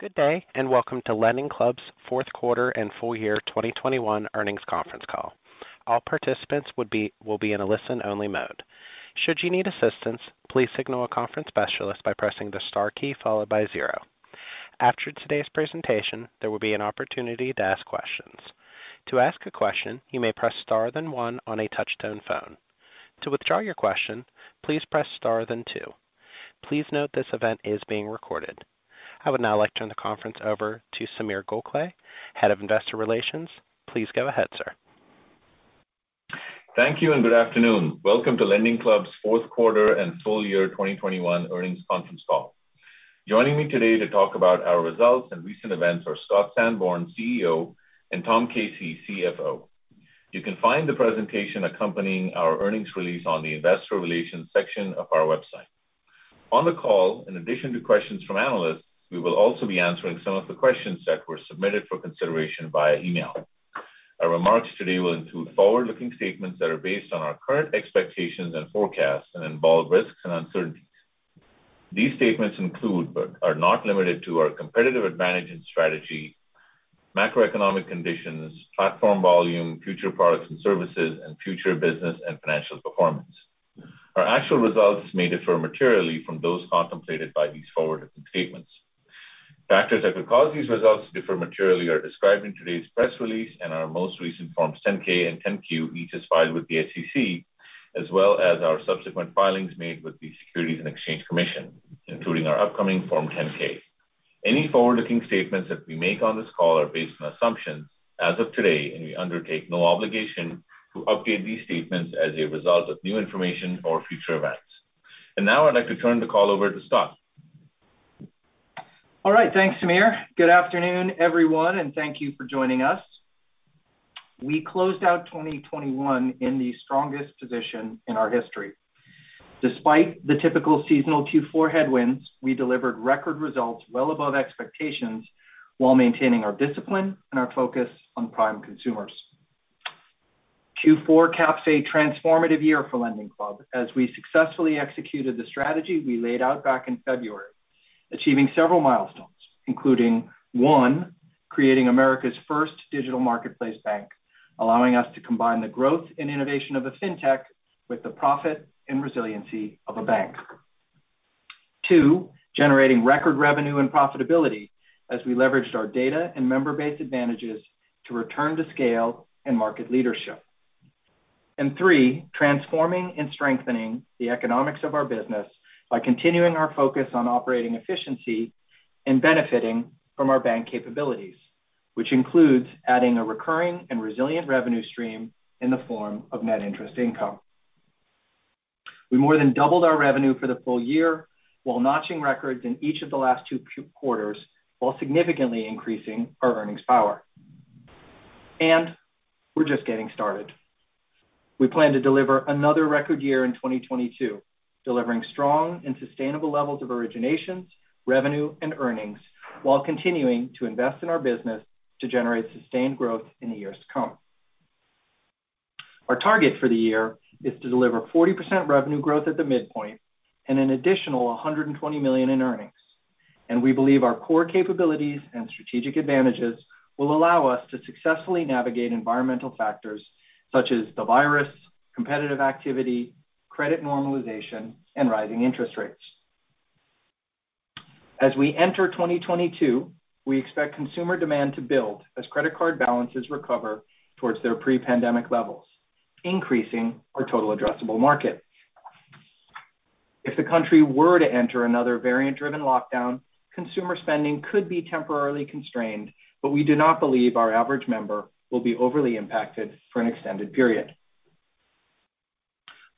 Good day and welcome to LendingClub's Fourth Quarter and Full-Year 2021 Earnings Conference Call. All participants will be in a listen-only mode. Should you need assistance, please signal a conference specialist by pressing the star key followed by zero. After today's presentation, there will be an opportunity to ask questions. To ask a question, you may press star then one on a touch-tone phone. To withdraw your question, please press star then two. Please note this event is being recorded. I would now like to turn the conference over to Sameer Gokhale, Head of Investor Relations. Please go ahead, sir. Thank you and good afternoon. Welcome to LendingClub's Fourth Quarter and Full-Year 2021 Earnings Conference Call. Joining me today to talk about our results and recent events are Scott Sanborn, CEO, and Tom Casey, CFO. You can find the presentation accompanying our earnings release on the investor relations section of our website. On the call, in addition to questions from analysts, we will also be answering some of the questions that were submitted for consideration via email. Our remarks today will include forward-looking statements that are based on our current expectations and forecasts and involve risks and uncertainties. These statements include, but are not limited to, our competitive advantage and strategy, macroeconomic conditions, platform volume, future products and services, and future business and financial performance. Our actual results may differ materially from those contemplated by these forward-looking statements. Factors that could cause these results to differ materially are described in today's press release and our most recent Forms 10-K and 10-Q, each as filed with the SEC, as well as our subsequent filings made with the Securities and Exchange Commission, including our upcoming Form 10-K. Any forward-looking statements that we make on this call are based on assumptions as of today, and we undertake no obligation to update these statements as a result of new information or future events. Now I'd like to turn the call over to Scott. All right. Thanks, Sameer. Good afternoon, everyone, and thank you for joining us. We closed out 2021 in the strongest position in our history. Despite the typical seasonal Q4 headwinds, we delivered record results well above expectations while maintaining our discipline and our focus on prime consumers. Q4 caps a transformative year for LendingClub as we successfully executed the strategy we laid out back in February, achieving several milestones, including, one, creating America's first digital marketplace bank, allowing us to combine the growth and innovation of a fintech with the profit and resiliency of a bank. Two, generating record revenue and profitability as we leveraged our data and member-based advantages to return to scale and market leadership. Three, transforming and strengthening the economics of our business by continuing our focus on operating efficiency and benefiting from our bank capabilities, which includes adding a recurring and resilient revenue stream in the form of net interest income. We more than doubled our revenue for the full-year while notching records in each of the last two quarters while significantly increasing our earnings power. We're just getting started. We plan to deliver another record year in 2022, delivering strong and sustainable levels of originations, revenue, and earnings while continuing to invest in our business to generate sustained growth in the years to come. Our target for the year is to deliver 40% revenue growth at the midpoint and an additional $120 million in earnings. We believe our core capabilities and strategic advantages will allow us to successfully navigate environmental factors such as the virus, competitive activity, credit normalization, and rising interest rates. As we enter 2022, we expect consumer demand to build as credit card balances recover towards their pre-pandemic levels, increasing our total addressable market. If the country were to enter another variant-driven lockdown, consumer spending could be temporarily constrained, but we do not believe our average member will be overly impacted for an extended period.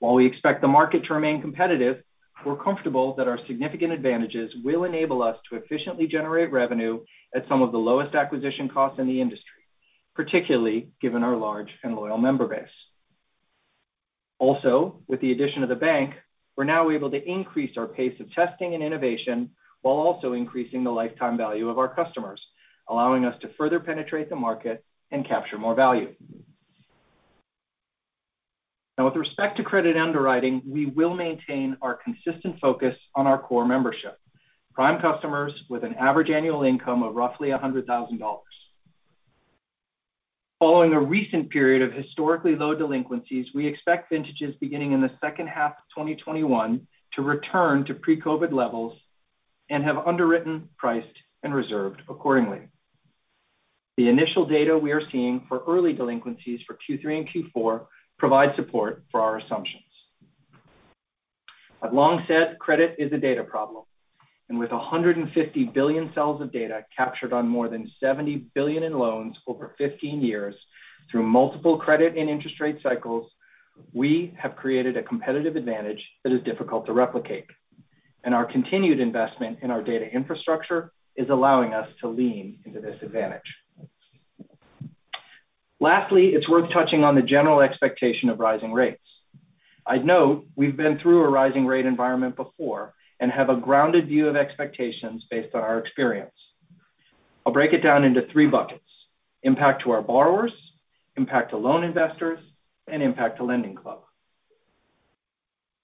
While we expect the market to remain competitive, we're comfortable that our significant advantages will enable us to efficiently generate revenue at some of the lowest acquisition costs in the industry, particularly given our large and loyal member base. Also, with the addition of the bank, we're now able to increase our pace of testing and innovation while also increasing the lifetime value of our customers allowing us to further penetrate the market and capture more value. Now with respect to credit underwriting, we will maintain our consistent focus on our core membership, prime customers with an average annual income of roughly $100,000. Following a recent period of historically low delinquencies, we expect vintages beginning in the second half of 2021 to return to pre-COVID levels and have underwritten, priced, and reserved accordingly. The initial data we are seeing for early delinquencies for Q3 and Q4 provide support for our assumptions. I've long said credit is a data problem, and with 150 billion cells of data captured on more than $70 billion in loans over 15 years through multiple credit and interest rate cycles, we have created a competitive advantage that is difficult to replicate, and our continued investment in our data infrastructure is allowing us to lean into this advantage. Lastly, it's worth touching on the general expectation of rising rates. I'd note, we've been through a rising rate environment before, and have a grounded view of expectations based on our experience. I'll break it down into three buckets, impact to our borrowers, impact to loan investors, and impact to LendingClub.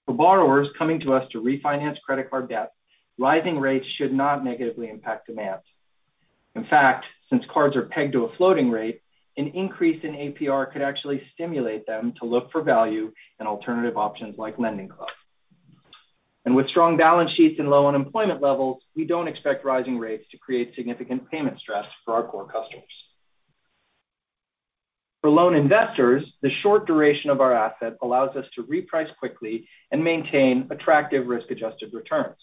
For borrowers coming to us to refinance credit card debt, rising rates should not negatively impact demand. In fact, since cards are pegged to a floating rate, an increase in APR could actually stimulate them to look for value and alternative options like LendingClub. With strong balance sheets and low unemployment levels, we don't expect rising rates to create significant payment stress for our core customers. For loan investors, the short duration of our asset allows us to reprice quickly and maintain attractive risk-adjusted returns.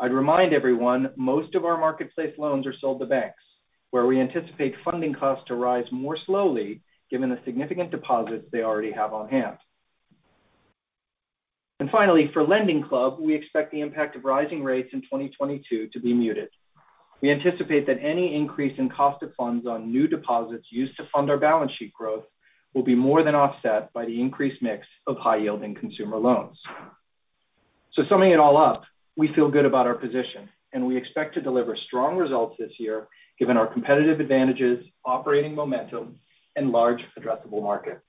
I'd remind everyone, most of our marketplace loans are sold to banks where we anticipate funding costs to rise more slowly given the significant deposits they already have on hand. Finally, for LendingClub, we expect the impact of rising rates in 2022 to be muted. We anticipate that any increase in cost of funds on new deposits used to fund our balance sheet growth will be more than offset by the increased mix of high-yielding consumer loans. Summing it all up, we feel good about our position and we expect to deliver strong results this year given our competitive advantages, operating momentum, and large addressable market.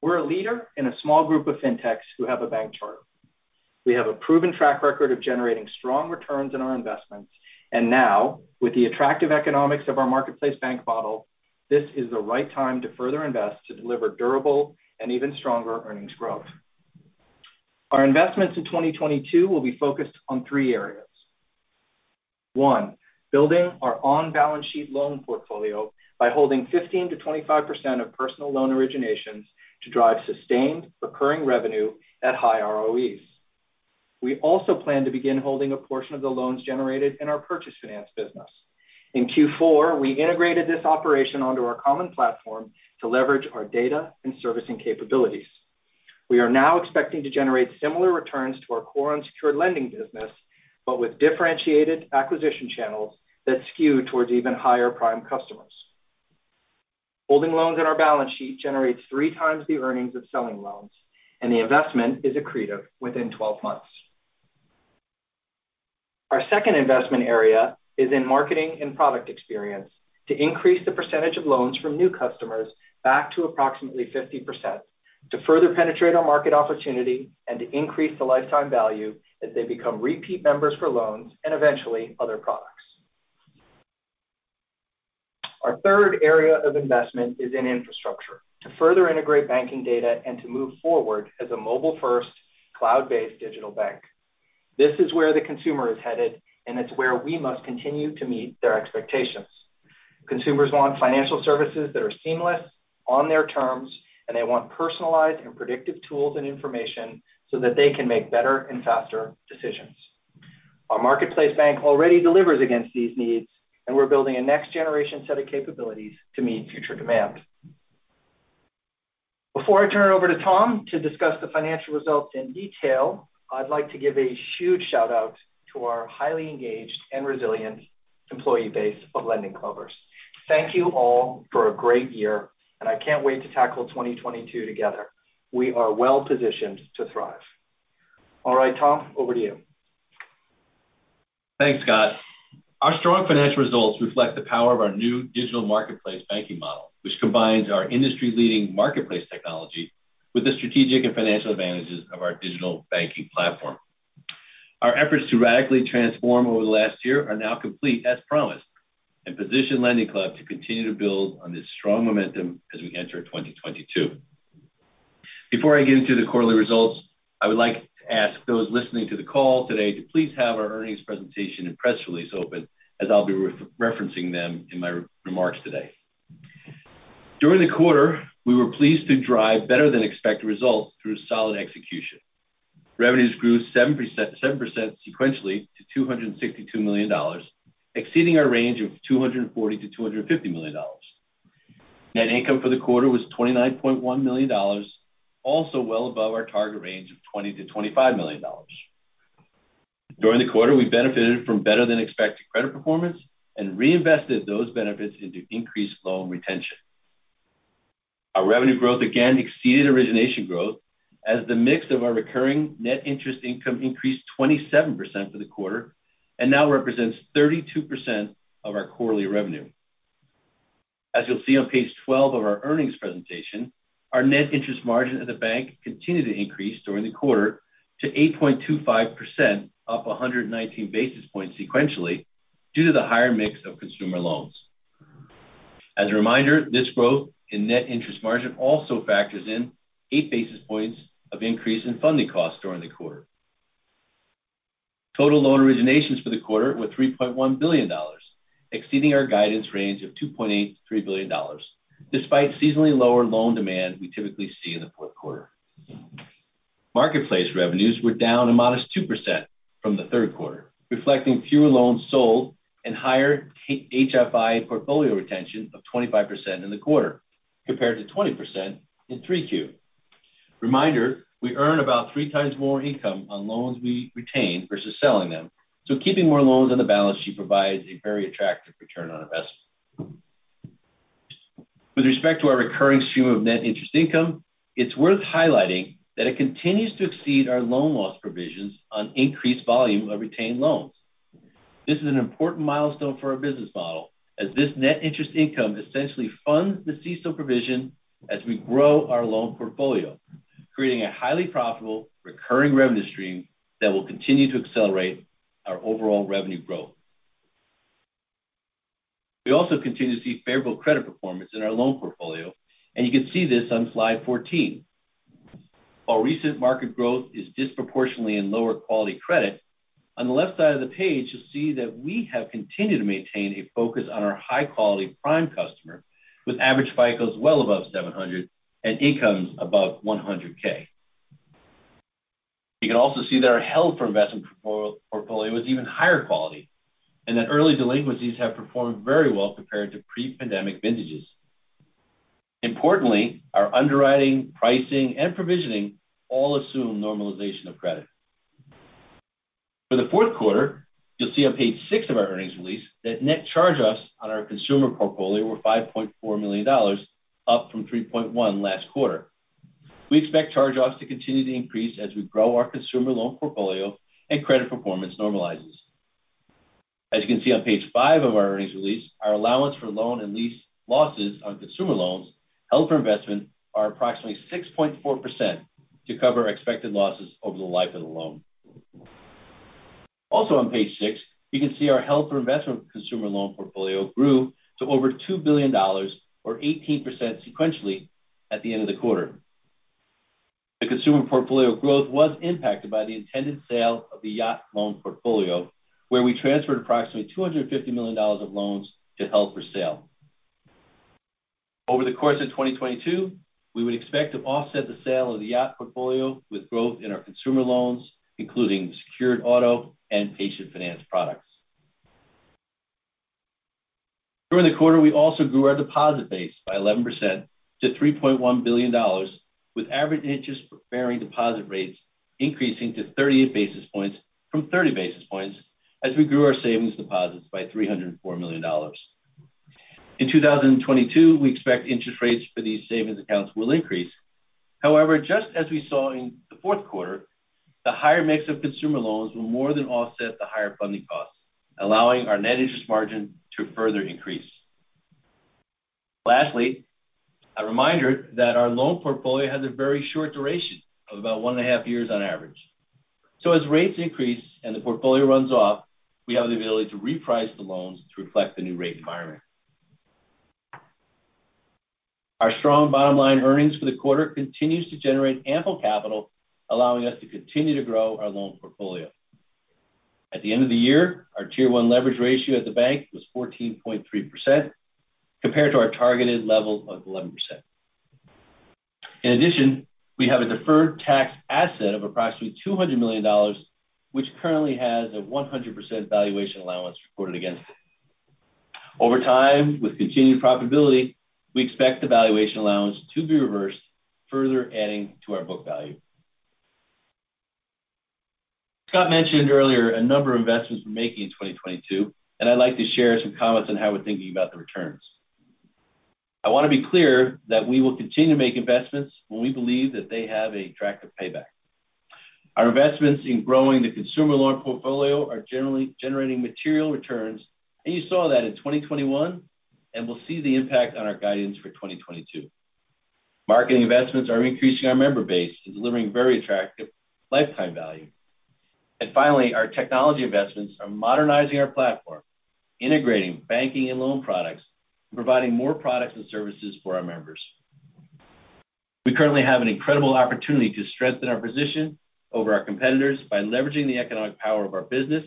We're a leader in a small group of fintechs who have a bank charter. We have a proven track record of generating strong returns on our investments. Now, with the attractive economics of our marketplace bank model, this is the right time to further invest to deliver durable and even stronger earnings growth. Our investments in 2022 will be focused on three areas. One, building our on-balance sheet loan portfolio by holding 15% to 25% of personal loan originations to drive sustained recurring revenue at high ROEs. We also plan to begin holding a portion of the loans generated in our purchase finance business. In Q4, we integrated this operation onto our common platform to leverage our data and servicing capabilities. We are now expecting to generate similar returns to our core unsecured lending business, but with differentiated acquisition channels that skew towards even higher prime customers. Holding loans in our balance sheet generates 3x the earnings of selling loans and the investment is accretive within 12 months. Our second investment area is in marketing and product experience, to increase the percentage of loans from new customers back to approximately 50% to further penetrate our market opportunity and to increase the lifetime value as they become repeat members for loans and eventually other products. Our third area of investment is in infrastructure, to further integrate banking data and to move forward as a mobile-first cloud-based digital bank. This is where the consumer is headed and it's where we must continue to meet their expectations. Consumers want financial services that are seamless, on their terms, and they want personalized and predictive tools and information, so that they can make better and faster decisions. Our marketplace bank already delivers against these needs and we're building a next-generation set of capabilities to meet future demand. Before I turn it over to Tom to discuss the financial results in detail, I'd like to give a huge shout-out to our highly engaged and resilient employee base of LendingClubbers. Thank you all for a great year and I can't wait to tackle 2022 together. We are well-positioned to thrive. All right, Tom, over to you. Thanks, Scott. Our strong financial results reflect the power of our new digital marketplace banking model, which combines our industry-leading marketplace technology with the strategic and financial advantages of our digital banking platform. Our efforts to radically transform over the last year are now complete as promised and position LendingClub to continue to build on this strong momentum as we enter 2022. Before I get into the quarterly results, I would like to ask those listening to the call today to please have our earnings presentation and press release open as I'll be re-referencing them in my remarks today. During the quarter, we were pleased to drive better than expected results through solid execution. Revenues grew 7% sequentially to $262 million, exceeding our range of $240 million to $250 million. Net income for the quarter was $29.1 million, also well above our target range of $20 million to $25 million. During the quarter, we benefited from better than expected credit performance and reinvested those benefits into increased loan retention. Our revenue growth, again, exceeded origination growth as the mix of our recurring net interest income increased 27% for the quarter and now represents 32% of our quarterly revenue. As you'll see on page 12 of our earnings presentation, our net interest margin at the bank continued to increase during the quarter to 8.25% up 119 basis points sequentially due to the higher mix of consumer loans. As a reminder, this growth in net interest margin also factors in 8 basis points of increase in funding costs during the quarter. Total loan originations for the quarter were $3.1 billion, exceeding our guidance range of $2.8 billion to $3 billion, despite seasonally lower loan demand we typically see in the fourth quarter. Marketplace revenues were down a modest 2% from the third quarter, reflecting fewer loans sold and higher HFI portfolio retention of 25% in the quarter compared to 20% in 3Q. Reminder, we earn about 3x more income on loans we retain versus selling them so keeping more loans on the balance sheet provides a very attractive return on investment. With respect to our recurring stream of net interest income, it's worth highlighting that it continues to exceed our loan loss provisions on increased volume of retained loans. This is an important milestone for our business model as this net interest income essentially funds the CECL provision as we grow our loan portfolio, creating a highly profitable recurring revenue stream that will continue to accelerate our overall revenue growth. We also continue to see favorable credit performance in our loan portfolio and you can see this on slide 14. While recent market growth is disproportionately in lower quality credit, on the left side of the page, you'll see that we have continued to maintain a focus on our high-quality prime customer with average FICO well above 700 and incomes above $100,000 You can also see that our held for investment portfolio was even higher quality and that early delinquencies have performed very well compared to pre-pandemic vintages. Importantly, our underwriting, pricing, and provisioning all assume normalization of credit. For the fourth quarter, you'll see on page six of our earnings release that net charge-offs on our consumer portfolio were $5.4 million, up from $3.1 million last quarter. We expect charge-offs to continue to increase as we grow our consumer loan portfolio and credit performance normalizes. As you can see on page five of our earnings release, our allowance for loan and lease losses on consumer loans held for investment are approximately 6.4% to cover expected losses over the life of the loan. Also on page six, you can see our held for investment consumer loan portfolio grew to over $2 billion or 18% sequentially at the end of the quarter. The consumer portfolio growth was impacted by the intended sale of the yacht loan portfolio where we transferred approximately $250 million of loans to held for sale. Over the course of 2022, we would expect to offset the sale of the yacht portfolio with growth in our consumer loans, including secured auto and patient finance products. During the quarter, we also grew our deposit base by 11% to $3.1 billion with average interest-bearing deposit rates increasing to 38 basis points from 30 basis points as we grew our savings deposits by $304 million. In 2022, we expect interest rates for these savings accounts will increase. However, just as we saw in the fourth quarter, the higher mix of consumer loans will more than offset the higher funding costs, allowing our net interest margin to further decrease. Lastly, a reminder that our loan portfolio has a very short duration of about 1.5 years on average. As rates increase and the portfolio runs off, we have the ability to reprice the loans to reflect the new rate environment. Our strong bottom line earnings for the quarter continues to generate ample capital, allowing us to continue to grow our loan portfolio. At the end of the year, our Tier 1 leverage ratio at the bank was 14.3% compared to our targeted level of 11%. In addition, we have a deferred tax asset of approximately $200 million, which currently has a 100% valuation allowance reported against it. Over time, with continued profitability, we expect the valuation allowance to be reversed, further adding to our book value. Scott mentioned earlier a number of investments we're making in 2022 and I'd like to share some comments on how we're thinking about the returns. I want to be clear that we will continue to make investments when we believe that they have attractive payback. Our investments in growing the consumer loan portfolio are generally generating material returns, and you saw that in 2021, and we'll see the impact on our guidance for 2022. Marketing investments are increasing our member base and delivering very attractive lifetime value. Finally, our technology investments are modernizing our platform, integrating banking and loan products, and providing more products and services for our members. We currently have an incredible opportunity to strengthen our position over our competitors by leveraging the economic power of our business,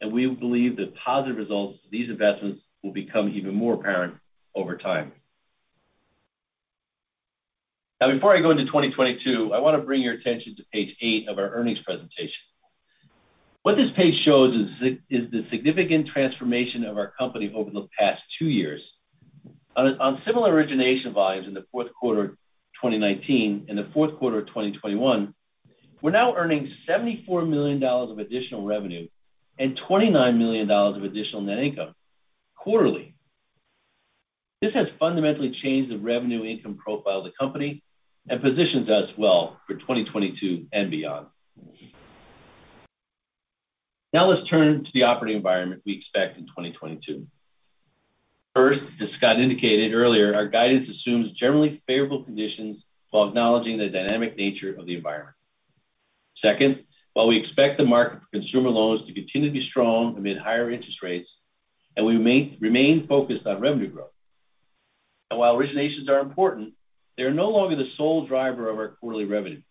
and we believe the positive results of these investments will become even more apparent over time. Now, before I go into 2022, I want to bring your attention to page eight of our earnings presentation. What this page shows is the significant transformation of our company over the past two years. On similar origination volumes in the fourth quarter of 2019 and the fourth quarter of 2021, we're now earning $74 million of additional revenue and $29 million of additional net income quarterly. This has fundamentally changed the revenue income profile of the company and positions us well for 2022 and beyond. Now let's turn to the operating environment we expect in 2022. First, as Scott indicated earlier, our guidance assumes generally favorable conditions while acknowledging the dynamic nature of the environment. Second, while we expect the market for consumer loans to continue to be strong amid higher interest rates and we remain focused on revenue growth. While originations are important, they are no longer the sole driver of our quarterly revenue.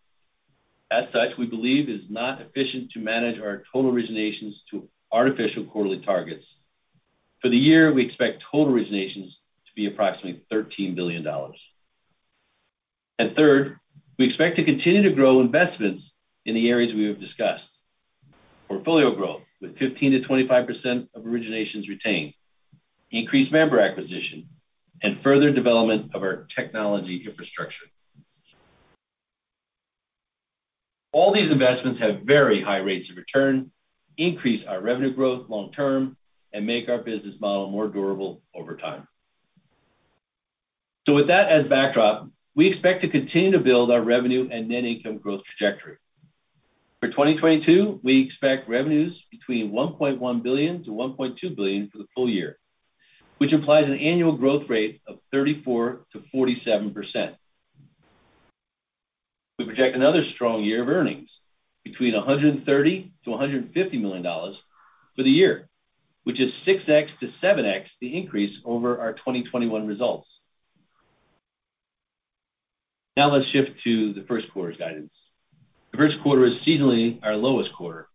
As such, we believe it's not efficient to manage our total originations to artificial quarterly targets. For the year, we expect total originations to be approximately $13 billion. Third, we expect to continue to grow investments in the areas we have discussed. Portfolio growth with 15% to 25% of originations retained, increased member acquisition, and further development of our technology infrastructure. All these investments have very high rates of return, increase our revenue growth long term, and make our business model more durable over time. With that as backdrop, we expect to continue to build our revenue and net interest income growth trajectory. For 2022, we expect revenues between $1.1 billion to $1.2 billion for the full-year, which implies an annual growth rate of 34% to 47%. We project another strong year of earnings between $130 million to $150 million for the year, which is 6x to 7x, the increase over our 2021 results. Now let's shift to the first quarter's guidance. The first quarter is seasonally our lowest quarter.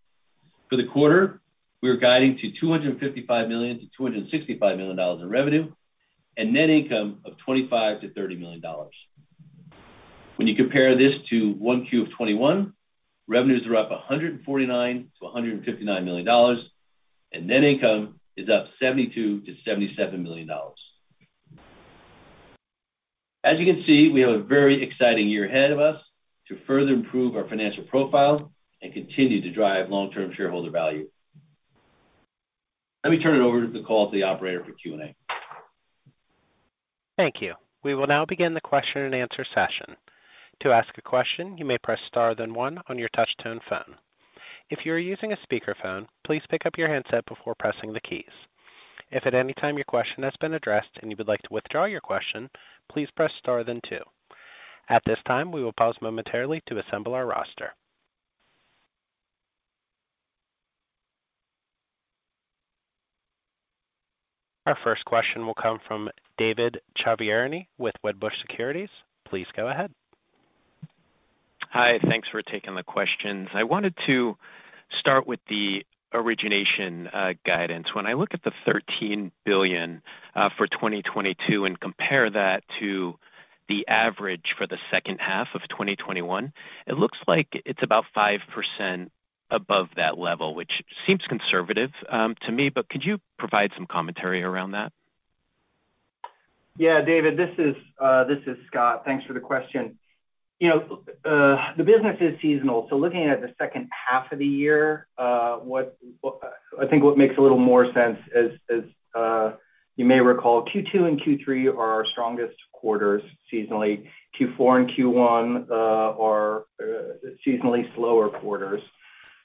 For the quarter, we are guiding to $255 million to $265 million in revenue and net income of $25 million to $30 million. When you compare this to 1Q of 2021, revenues are up $149 million to $159 million, and net income is up $72 million to $77 million. As you can see, we have a very exciting year ahead of us to further improve our financial profile and continue to drive long-term shareholder value. Let me turn the call over to the operator for Q&A. Thank you. We will now begin the question and answer session. To ask a question, you may press star then one on your touch tone phone. If you are using a speaker phone, please pick up your handset before pressing the keys. If at any time your question has been addressed and you would like to withdraw your question, please press star then two. At this time, we will pause momentarily to assemble our roster. Our first question will come from David Chiaverini with Wedbush Securities. Please go ahead. Hi. Thanks for taking the questions. I wanted to start with the origination guidance. When I look at the $13 billion for 2022 and compare that to the average for the second half of 2021, it looks like it's about 5% above that level, which seems conservative to me, but could you provide some commentary around that? Yeah, David, this is Scott. Thanks for the question. The business is seasonal, so looking at the second half of the year, I think what makes a little more sense is you may recall Q2 and Q3 are our strongest quarters seasonally. Q4 and Q1 are seasonally slower quarters.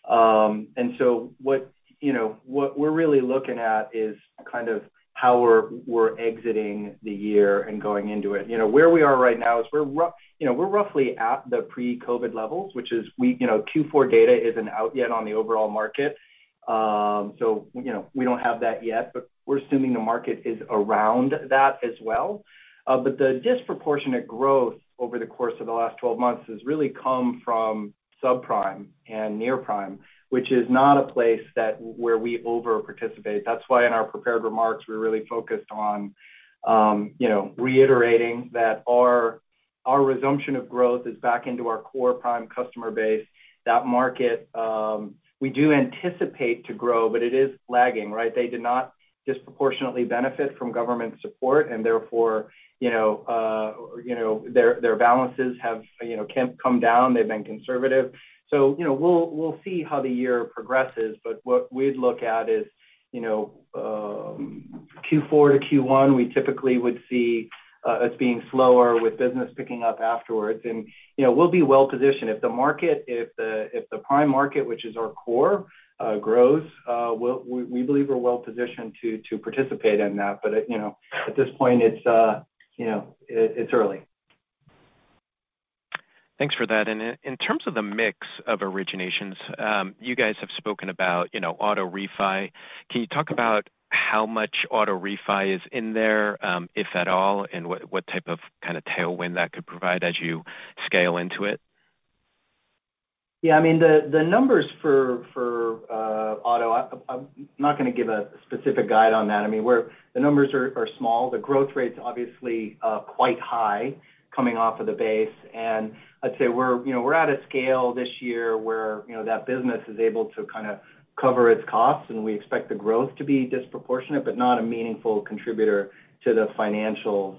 What we're really looking at is kind of how we're exiting the year and going into it. Where we are right now is we're roughly at the pre-COVID levels, which is you know, Q4 data isn't out yet on the overall market. You know, we don't have that yet, but we're assuming the market is around that as well. The disproportionate growth over the course of the last 12 months has really come from subprime and near prime, which is not a place where we over participate. That's why in our prepared remarks, we really focused on reiterating that our resumption of growth is back into our core prime customer base. That market, we do anticipate to grow, but it is lagging, right? They did not disproportionately benefit from government support and therefore, you know, their balances have come down. They've been conservative. We'll see how the year progresses. What we'd look at is you know Q4 to Q1, we typically would see as being slower with business picking up afterwards. We'll be well-positioned at the market. If the prime market, which is our core, grows, we believe we're well-positioned to participate in that, but you know, at this point it's you know, it's early. Thanks for that. In terms of the mix of originations, you guys have spoken about, you know, auto refi. Can you talk about how much auto refi is in there, if at all, and what type of kind of tailwind that could provide as you scale into it? Yeah, I mean, the numbers for auto, I'm not going to give a specific guide on that. I mean, the numbers are small. The growth rate is obviously quite high coming off of the base. I'd say we're, you know, we're at a scale this year where, you know, that business is able to kind of cover its costs. We expect the growth to be disproportionate, but not a meaningful contributor to the financials,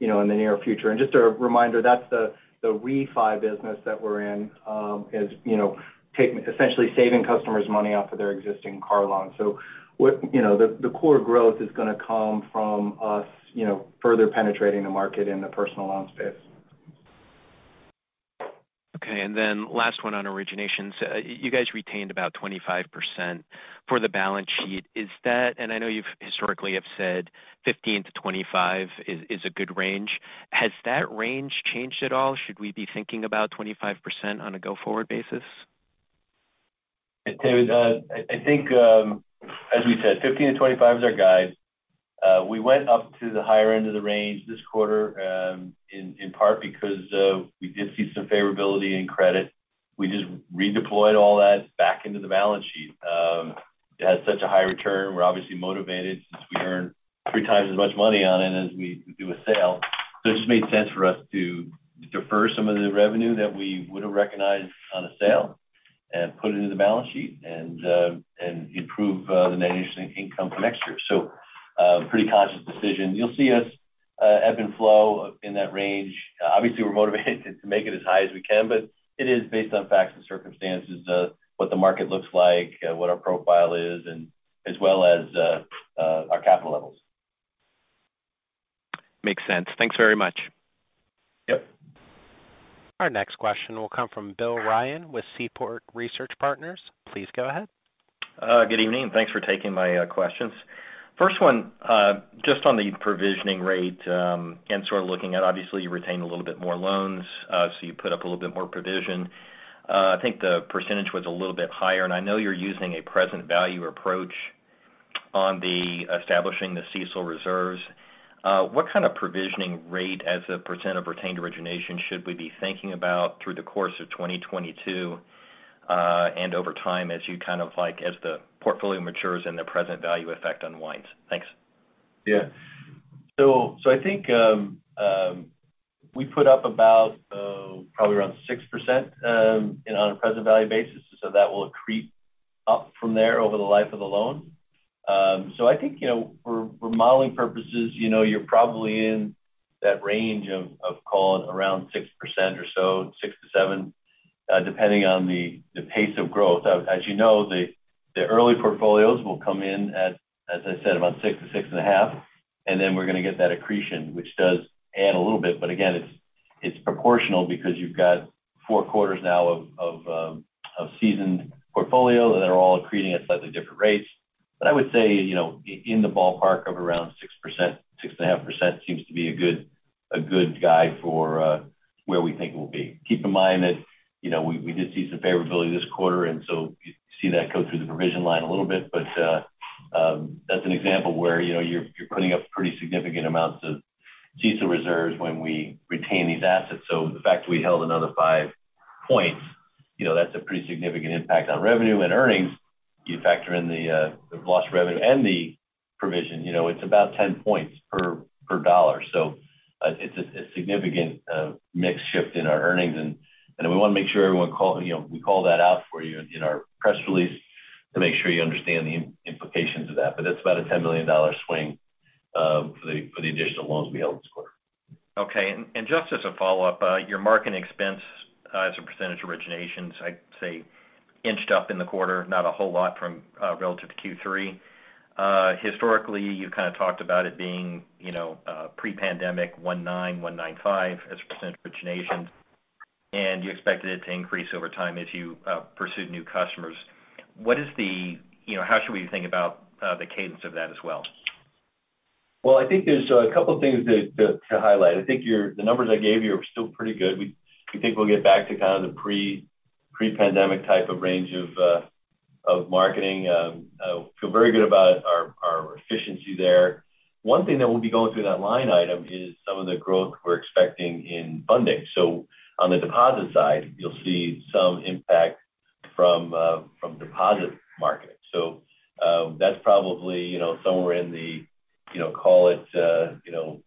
you know, in the near future, and just a reminder, that's the refi business that we're in, you know, essentially saving customers money off of their existing car loans. The core growth is going to come from us, you know, further penetrating the market in the personal loan space. Okay and then last one on originations. You guys retained about 25% for the balance sheet. Is that. I know you've historically have said 15% to 25% is a good range. Has that range changed at all? Should we be thinking about 25% on a go-forward basis? David, I think, as we said, 15% to 25% is our guide. We went up to the higher end of the range this quarter, in part because we did see some favorability in credit. We just redeployed all that back into the balance sheet. It had such a high return. We're obviously motivated since we earn 3x as much money on it as we do a sale. It just made sense for us to defer some of the revenue that we would have recognized on a sale and put it into the balance sheet and improve the net interest income for next year so a pretty conscious decision. You'll see us ebb and flow in that range. Obviously, we're motivated to make it as high as we can, but it is based on facts and circumstances of what the market looks like, what our profile is, and as well as, our capital levels. Makes sense. Thanks very much. Our next question will come from Bill Ryan with Seaport Research Partners. Please go ahead. Good evening. Thanks for taking my questions. First one, just on the provisioning rate, and sort of looking at obviously you retain a little bit more loans, so you put up a little bit more provision. I think the percentage was a little bit higher and I know you're using a present value approach on establishing the CECL reserves. What kind of provisioning rate as a percent of retained origination should we be thinking about through the course of 2022, and over time as the portfolio matures, and the present value effect unwinds? Thanks. Yeah. I think we put up about probably around 6%, you know, on a present value basis. That will creep up from there over the life of the loan. I think, you know, for modeling purposes, you know, you're probably in that range of calling around 6% or so, 6% to 7%, depending on the pace of growth. As you know, the early portfolios will come in at, as I said, about 6% to 6.5%, and then we're going to get that accretion, which does add a little bit. Again, it's proportional because you've got four quarters now of seasoned portfolio that are all accreting at slightly different rates. I would say, you know, in the ballpark of around 6%, 6.5% seems to be a good guide for where we think it will be. Keep in mind that, you know, we did see some favorability this quarter, and so you see that go through the provision line a little bit. That's an example where, you know, you're putting up pretty significant amounts of CECL reserves when we retain these assets. The fact that we held another five points, you know, that's a pretty significant impact on revenue and earnings. You factor in the lost revenue and the provision, you know, it's about 10 points per dollar. It's a significant mix shift in our earnings. We want to make sure everyone you know, we call that out for you in our press release to make sure you understand the implications of that. That's about a $10 million swing for the additional loans we held this quarter. Okay and just as a follow-up, your marketing expense as a percentage of originations, I'd say inched up in the quarter, not a whole lot relative to Q3. Historically, you kind of talked about it being, you know, pre-pandemic 1.9, 1.95 as a percent of origination, and you expected it to increase over time as you pursued new customers. HOw should we think about the cadence of that as well? Well, I think there's a couple things to highlight. I think the numbers I gave you are still pretty good. We think we'll get back to kind of the pre-pandemic type of range of marketing. We feel very good about our efficiency there. One thing that will be going through that line item is some of the growth we're expecting in funding. On the deposit side, you'll see some impact from deposit marketing. That's probably, you know, somewhere in the, you know, call it, you know,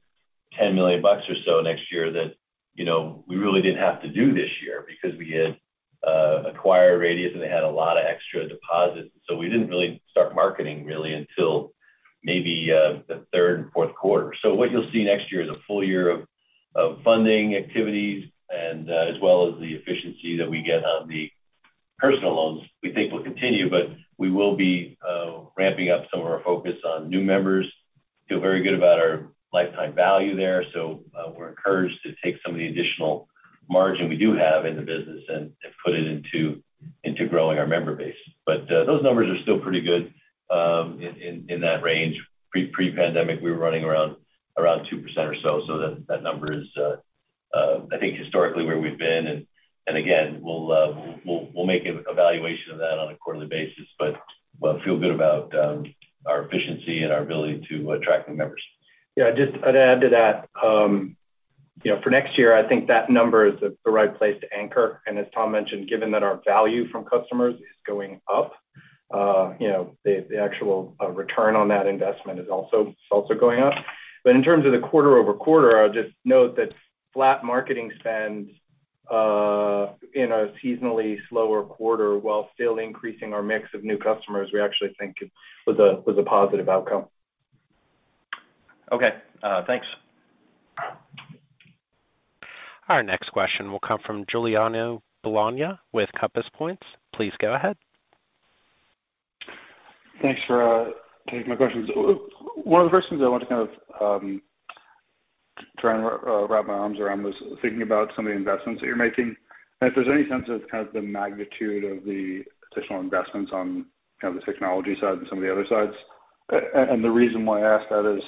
$10 million or so next year that, you know, we really didn't have to do this year because we had acquired Radius, and they had a lot of extra deposits. We didn't really start marketing really until maybe the third and fourth quarter. What you'll see next year is a full-year of funding activities and as well as the efficiency that we get on the personal loans we think will continue. We will be ramping up some of our focus on new members. We feel very good about our lifetime value there. We're encouraged to take some of the additional margin we do have in the business and put it into growing our member base. Those numbers are still pretty good in that range. Pre-pandemic, we were running around 2% or so that number is, I think, historically where we've been. Again, we'll make an evaluation of that on a quarterly basis, but we feel good about our efficiency and our ability to attract new members. Yeah. I'd add to that. For next year, I think that number is the right place to anchor. As Tom mentioned, given that our value from customers is going up, the actual return on that investment is also going up. In terms of the quarter-over-quarter, I would just note that flat marketing spend in a seasonally slower quarter while still increasing our mix of new customers, we actually think it was a positive outcome. Okay. Thanks. Our next question will come from Giuliano Bologna with Compass Point. Please go ahead. Thanks for taking my questions. One of the first things I want to kind of try and wrap my arms around was thinking about some of the investments that you're making, and if there's any sense of kind of the magnitude of the additional investments on, you know, the technology side and some of the other sides. The reason why I ask that is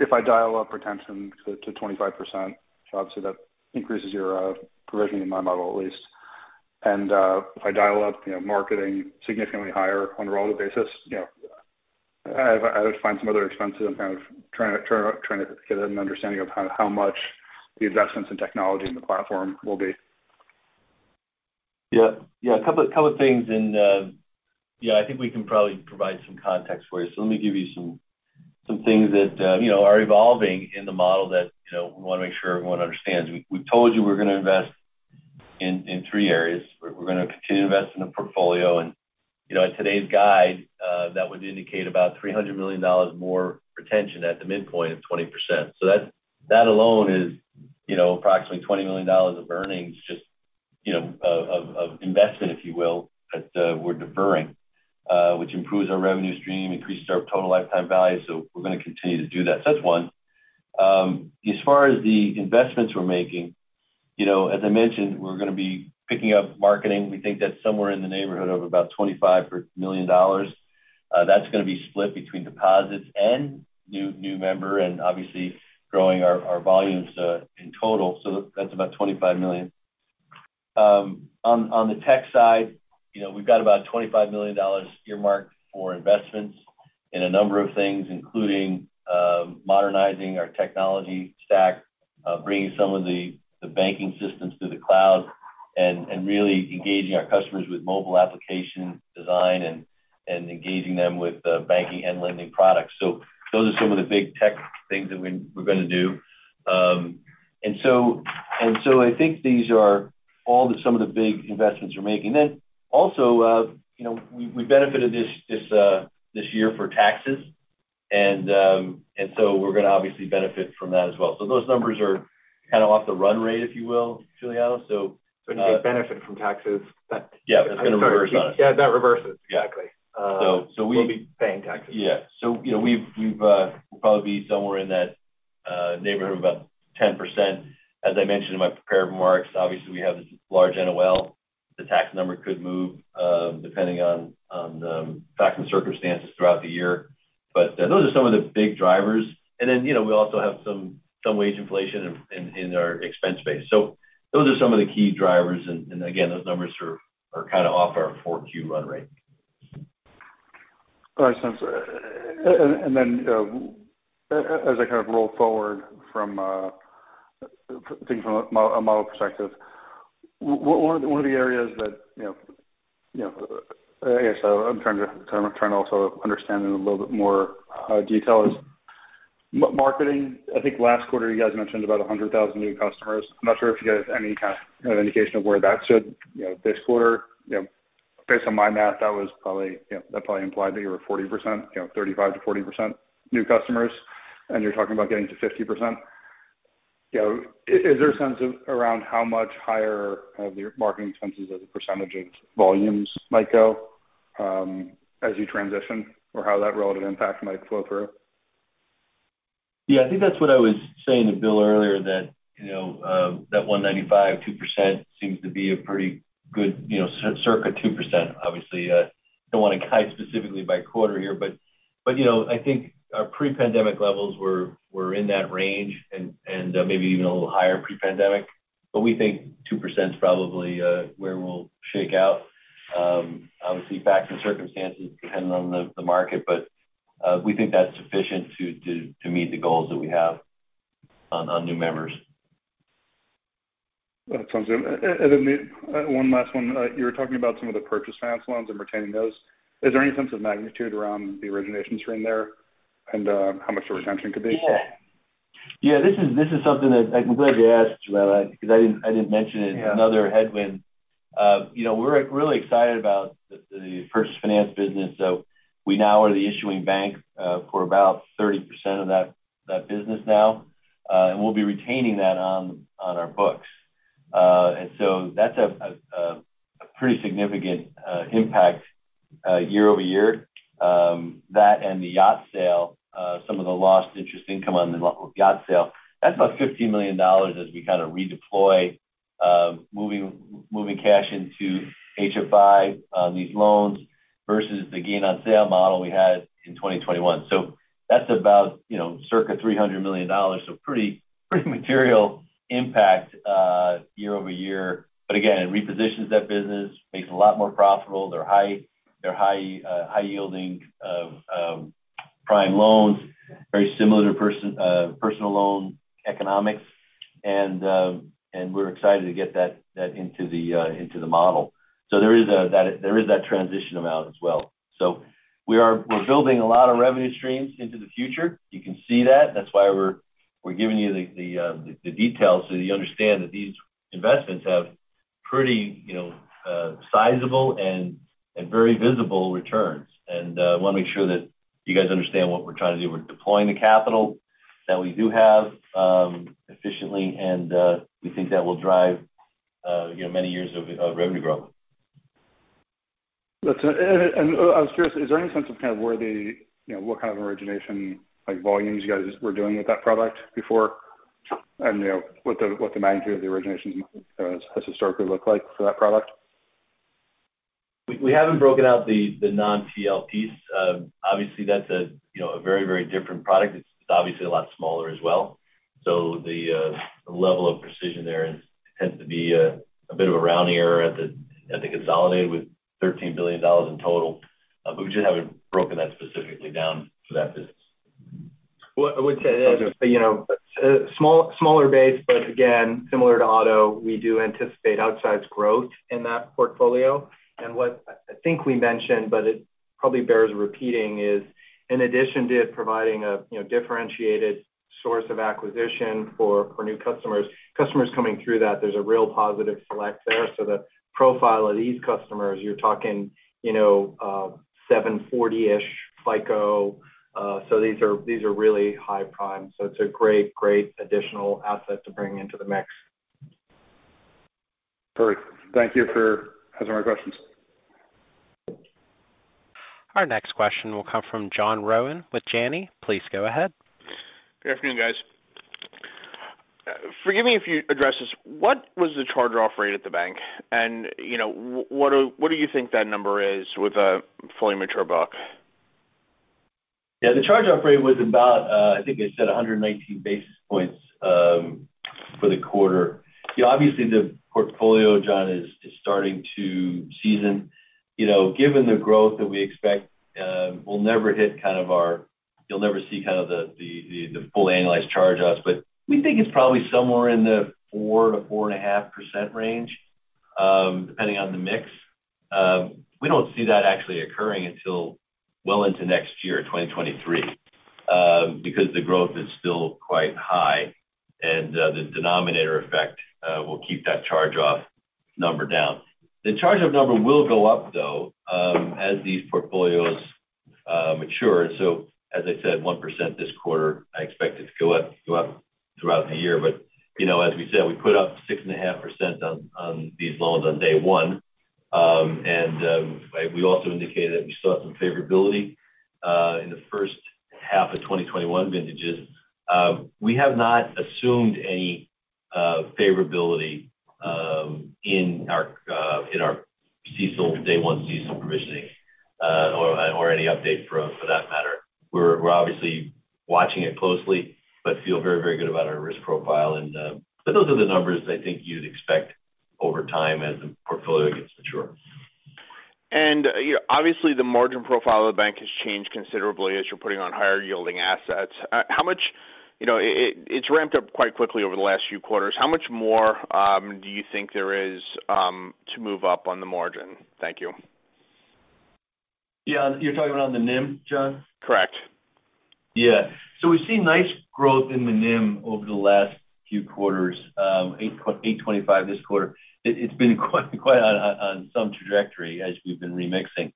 if I dial up retention to 25%, so obviously that increases your provision in my model at least. If I dial up you know marketing significantly higher on a relative basis, you know, I would find some other expenses. I'm kind of trying to get an understanding of how much the investments in technology in the platform will be. Yeah. A couple of things and I think we can probably provide some context for you. Let me give you some things that you know are evolving in the model that you know we want to make sure everyone understands. We've told you we're going to invest in three areas. We're going to continue to invest in the portfolio. AT today's guide, that would indicate about $300 million more retention at the midpoint of 20%. That alone is, you know, approximately $20 million of earnings just you know of investment, if you will, that we're deferring, which improves our revenue stream, increases our total lifetime value. We're going to continue to do that. That's one. As far as the investments we're making, you know, as I mentioned, we're going to be picking up marketing. We think that's somewhere in the neighborhood of about $25 million. That's going to be split between deposits, and new member and, obviously, growing our volumes in total, so that's about $25 million. On the tech side, you know, we've got about $25 million earmarked for investments in a number of things, including modernizing our technology stack, bringing some of the banking systems to the cloud and really engaging our customers with mobile application, design, and engaging them with banking and lending products. So those are some of the big tech things that we're going to do. I think these are some of the big investments we're making. Also, you know, we benefited this year for taxes, and so we're going to obviously benefit from that as well. Those numbers are kind of off the run rate, if you will, Giuliano. When you say benefit from taxes, that kind of reverses. Yeah, it's going to reverse on us. Yeah, that reverses, exactly. Yeah. We'll be paying taxes. Yeah. We'll probably be somewhere in that neighborhood of about 10%. As I mentioned in my prepared remarks, obviously, we have this large NOL. The tax number could move depending on the facts and circumstances throughout the year. Those are some of the big drivers and then, you know, we also have some wage inflation in our expense base. Those are some of the key drivers. Again, those numbers are kind of off our 4Q run rate. Make sense, and then, as I kind of roll forward from things from a model perspective, one of the areas that, you know, I'm trying to also understand in a little bit more detail is marketing. I think last quarter you guys mentioned about 100,000 new customers. I'm not sure if you guys any kind of indication of where that should, you know, this quarter. Based on my math, that probably implied that you were 40%, you know, 35% to 40% new customers, and you're talking about getting to 50%. Is there a sense around how much higher kind of your marketing expenses as a percentage of volumes might go, as you transition or how that relative impact might flow through? Yeah, I think that's what I was saying to Bill earlier, that, you know, that 1.95%-2% seems to be a pretty good, you know, circa 2%, obviously. Don't want to guide specifically by quarter here, but, you know, I think our pre-pandemic levels were in that range and maybe even a little higher pre-pandemic. We think 2% is probably where we'll shake out. Obviously, facts and circumstances depending on the market but we think that's sufficient to meet the goals that we have on new members. That sounds good and one last one. You were talking about some of the purchase finance loans and retaining those. Is there any sense of magnitude around the origination stream there and how much the retention could be? Yeah. Yeah, this is something that I'm glad you asked, Giuliano, because I didn't mention it, another headwind. We're really excited about the purchase finance business. We now are the issuing bank for about 30% of that business now. We'll be retaining that on our books. That's a pretty significant impact year-over-year. That and the yacht sale, some of the lost interest income on the yacht sale. That's about $15 million as we kind of redeploy moving cash into HFI, these loans, Versus the gain on sale model we had in 2021. That's about, you know, circa $300 million. Pretty material impact year-over-year, but again, it repositions that business, makes it a lot more profitable. They're high-yielding prime loans, very similar to personal loan economics. We're excited to get that into the model. There is that transition amount as well. We're building a lot of revenue streams into the future. You can see that. That's why we're giving you the details so that you understand that these investments have pretty, you know, sizable and very visible returns. I want to make sure that you guys understand what we're trying to do. We're deploying the capital that we do have efficiently and we think that will drive, you know, many years of revenue growth. Make sense and I was curious, is there any sense of kind of where the, you know, what kind of origination like volumes you guys were doing with that product before? What the magnitude of the originations has historically looked like for that product? We haven't broken out the non-TLP piece. Obviously, that's a, you know, a very different product. It's obviously a lot smaller as well. The level of precision there tends to be a bit of a rounding error at the consolidated with $13 billion in total. We just haven't broken that specifically down for that business. Well, I would say that, you know, smaller base, but again, similar to auto, we do anticipate outsized growth in that portfolio. What I think we mentioned, but it probably bears repeating, is in addition to providing a, you know, differentiat source of acquisition for new customers. Customers coming through that, there's a real positive select there. The profile of these customers, you're talking, you know, 740-ish FICO. These are really high prime. It's a great, great additional asset to bring into the mix. Great. Thank you for answering my questions. Our next question will come from John Rowan with Janney. Please go ahead. Good afternoon, guys. Forgive me if you addressed this. What was the charge-off rate at the bank? What do you think that number is with a fully mature book? Yeah. The charge-off rate was about, I think I said 119 basis points, for the quarter. Obviously, the portfolio, John, is starting to season. Given the growth that we expect, we'll never hit kind of our, you'll never see kind of the full annualized charge-offs, but we think it's probably somewhere in the 4% to 4.5% range, depending on the mix. We don't see that actually occurring until well into next year, 2023, because the growth is still quite high and the denominator effect will keep that charge-off number down. The charge-off number will go up, though, as these portfolios mature. As I said, 1% this quarter, I expect it to go up throughout the year. As we said, we put up 6.5% on these loans on day one. We also indicated that we saw some favorability in the first half of 2021 vintages. We have not assumed any favorability in our day one CECL provisioning or any update for that matter. We're obviously watching it closely, but feel very, very good about our risk profile. Those are the numbers, I think, you'd expect over time as the portfolio gets mature. Obviously the margin profile of the bank has changed considerably as you're putting on higher yielding assets, you know, it's ramped up quite quickly over the last few quarters. How much more do you think there is to move up on the margin? Thank you. Yeah. You're talking about on the NIM, John? Correct. Yeah. We've seen nice growth in the NIM over the last few quarters, 8.25% this quarter. It's been quite on some trajectory as we've been remixing.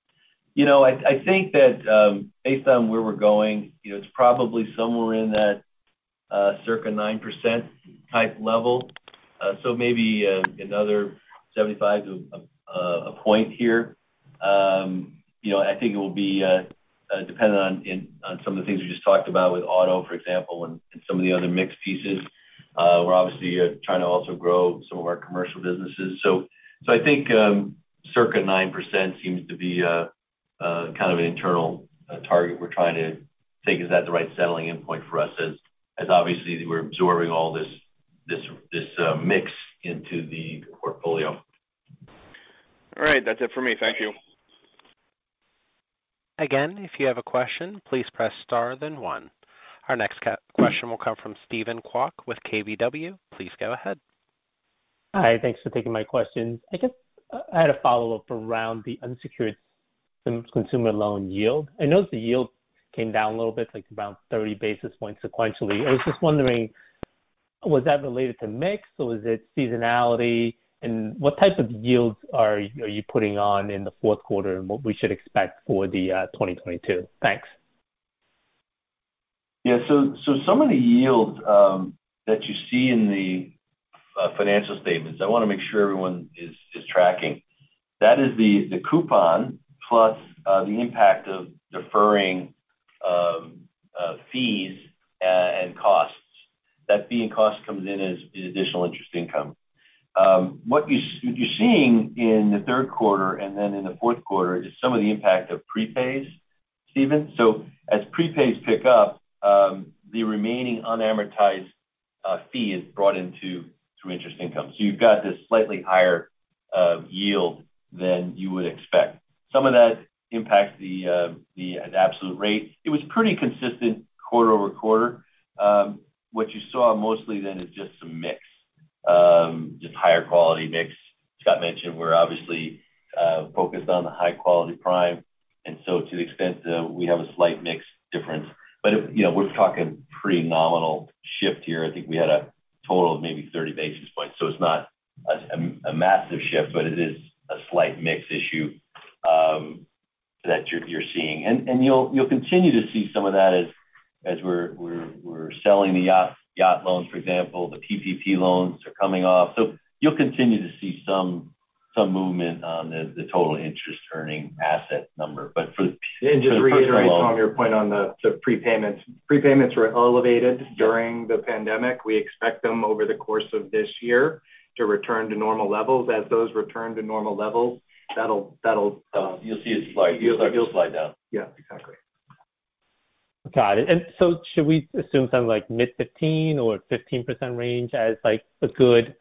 I think that, based on where we're going, you know, it's probably somewhere in that circa 9% type level. Maybe another 75 to a point here. I think it will be dependent on some of the things we just talked about with auto, for example, and some of the other mixed pieces. We're obviously trying to also grow some of our commercial businesses. I think circa 9% seems to be kind of an internal target we're trying to take is that the right settling endpoint for us as, obviously, we're absorbing all this mix into the portfolio? All right. That's it for me. Thank you. Again, if you have a question, please press star then one. Our next question will come from Steven Kwok with KBW. Please go ahead. Hi. Thanks for taking my questions. I had a follow-up around the unsecured consumer loan yield. I noticed the yield came down a little bit, like around 30 basis points sequentially. I was just wondering, was that related to mix or was it seasonality? What type of yields are you putting on in the fourth quarter and what we should expect for 2022? Thanks. Some of the yields that you see in the financial statements, I want to make sure everyone is tracking. That is the coupon plus the impact of deferring fees and costs, that fee and cost comes in as additional interest income. What you're seeing in the third quarter and then in the fourth quarter is some of the impact of prepays, Steven. As prepays pick up, the remaining unamortized fee is brought in through interest income. You've got this slightly higher yield than you would expect. Some of that impacts the absolute rate. It was pretty consistent quarter-over-quarter. What you saw mostly then is just some mix, just higher quality mix. Scott mentioned we're obviously focused on the high quality prime and so to the extent we have a slight mix difference. We're talking pretty nominal shift here. I think we had a total of maybe 30 basis points. It's not a massive shift but it is a slight mix issue that you're seeing. You'll continue to see some of that as we're selling the yacht loans, for example, the PPP loans are coming off. You'll continue to see some movement on the total interest earning asset number. To reiterate, Tom, your point on the prepayments. Prepayments were elevated during the pandemic. We expect them over the course of this year to return to normal levels, as those return to normal levels, that'll. You'll see it slide. It'll slide down. Yeah. Exactly. Got it. Should we assume something like mid-15 or 15% range as, like, a good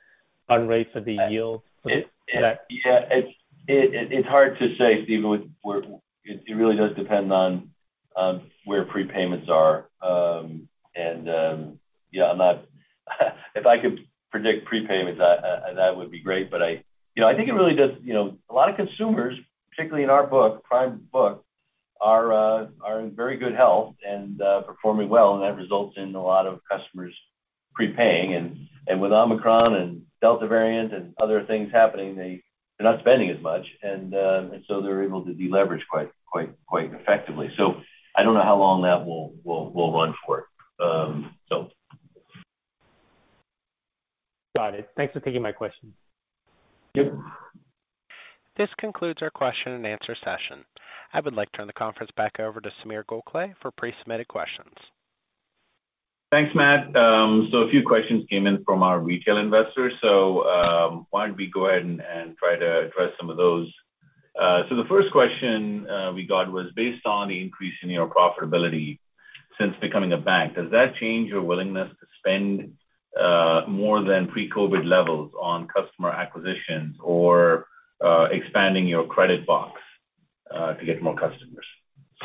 run rate for the yield? Yeah. It's hard to say, Steven. It really does depend on where prepayments are. Yeah, if I could predict prepayments, that would be great. But, you know, I think it really does. A lot of consumers, particularly in our book, prime book are in very good health and performing well and that results in a lot of customers prepaying. With Omicron and Delta variant and other things happening, they're not spending as much. They're able to deleverage quite effectively. I don't know how long that will run for. Got it. Thanks for taking my question. This concludes our question and answer session. I would like to turn the conference back over to Sameer Gokhale for pre-submitted questions. Thanks, Matt. A few questions came in from our retail investors. Why don't we go ahead and try to address some of those. The first question we got was based on the increase in your profitability since becoming a bank, does that change your willingness to spend more than pre-COVID levels on customer acquisitions or expanding your credit box to get more customers?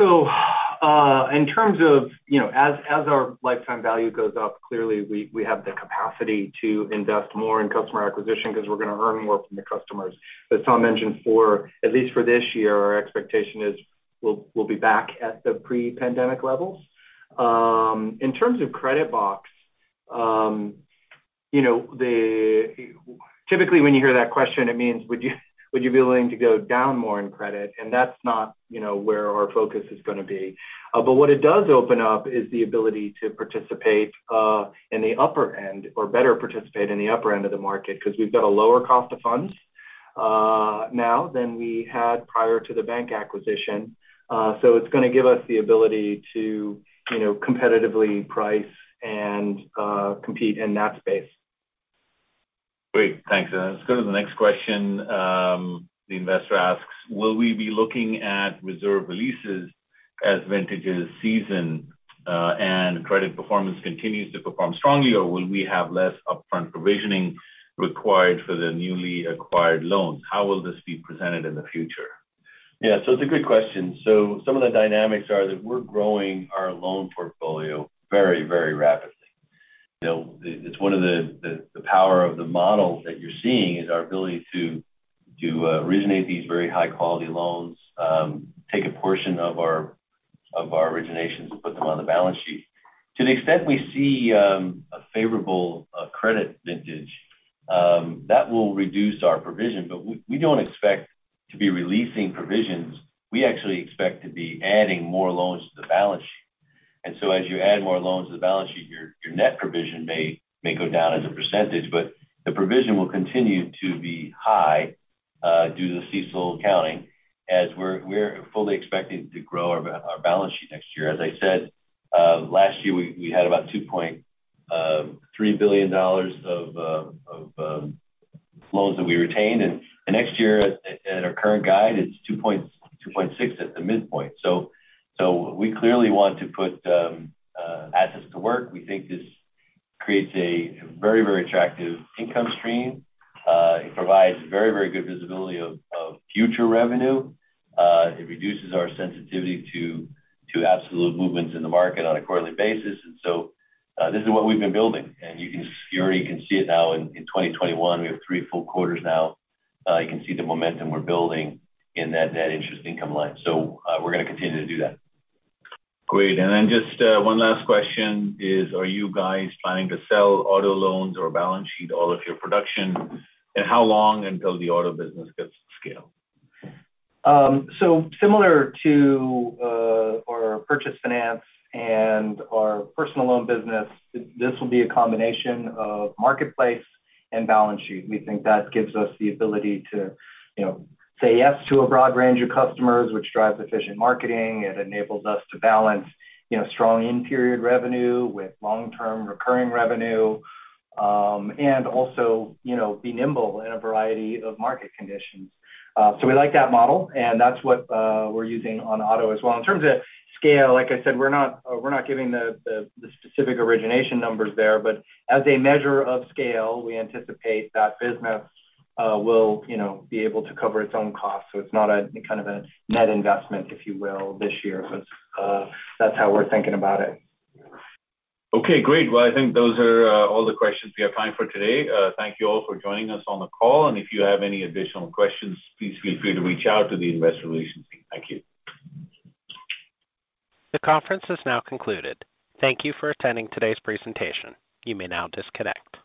In terms of, you know, as our lifetime value goes up, clearly we have the capacity to invest more in customer acquisition because we're going to learn more from the customers. As Tom mentioned, at least for this year, our expectation is we'll be back at the pre-pandemic levels. In terms of credit box, you know, typically, when you hear that question, it means would you be willing to go down more in credit? That's not, you know, where our focus is going to be. What it does open up is the ability to participate in the upper end or better participate in the upper end of the market because we've got a lower cost of funds now than we had prior to the bank acquisition. It's going to give us the ability to, you know, competitively price and compete in that space. Great. Thanks. Let's go to the next question. The investor asks, will we be looking at reserve releases as vintages season, and credit performance continues to perform strongly, or will we have less upfront provisioning required for the newly acquired loans? How will this be presented in the future? Yeah. It's a good question. Some of the dynamics are that we're growing our loan portfolio very, very rapidly. It's one of the power of the models that you're seeing is our ability to originate these very high quality loans, take a portion of our originations, and put them on the balance sheet. To the extent we see a favorable credit vintage, that will reduce our provision. But we don't expect to be releasing provisions. We actually expect to be adding more loans to the balance sheet. As you add more loans to the balance sheet, your net provision may go down as a percentage. The provision will continue to be high due to the CECL accounting as we're fully expecting to grow our balance sheet next year. As I said, last year we had about $2.3 billion of loans that we retained. Next year at our current guide, it's $2.6 billion at the midpoint. We clearly want to put assets to work. We think this creates a very attractive income stream. It provides very good visibility of future revenue. It reduces our sensitivity to absolute movements in the market on a quarterly basis. This is what we've been building, and you already can see it now in 2021, we have three full quarters now. You can see the momentum we're building in that interest income line. We're going to continue to do that. Great and just one last question is, are you guys planning to sell auto loans or balance sheet all of your production? How long until the auto business gets to scale? Similar to our purchase finance and our personal loan business, this will be a combination of marketplace and balance sheet. We think that gives us the ability to, you know, say yes to a broad range of customers, which drives efficient marketing. It enables us to balance, you know, strong in-period revenue with long-term recurring revenue, and also, you know, be nimble in a variety of market conditions. We like that model, and that's what, we're using on auto as well. In terms of scale, like I said, we're not giving the specific origination numbers there, but as a measure of scale, we anticipate that business will, you know, be able to cover its own costs. It's not a kind of a net investment, if you will, this year. That's how we're thinking about it. Okay, great. Well, I think those are all the questions we have time for today. Thank you all for joining us on the call, and if you have any additional questions, please feel free to reach out to the investor relations team. Thank you. The conference is now concluded. Thank you for attending today's presentation. You may now disconnect.